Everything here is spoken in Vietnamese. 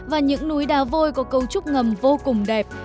và những núi đá vôi có cấu trúc ngầm vô cùng đẹp